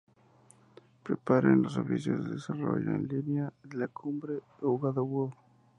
Prepara en los oficios de desarrollo en la línea de la cumbre de Uagadugú.